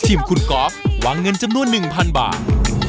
ชิมคุณก๊อฟหวังเงินจำนวน๑๐๐๐บาท